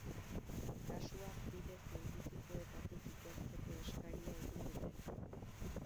Kasua bide zientifikoetatik ikertzeko eskaria egin dute.